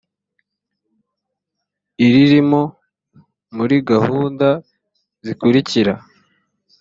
iririmo muri gahunda zikurikira